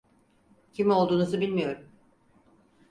Kim olduğunuzu bilmiyorum.